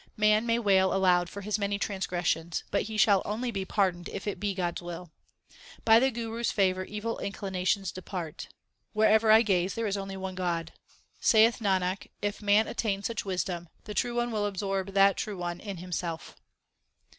Man may wail aloud for his many transgressions, But he shall only be pardoned if it be God s will. By the Guru s favour evil inclinations depart Wherever I gaze there is only one God Saith Nanak, if man attain such wisdom, The True One will absorb that true one in Himself.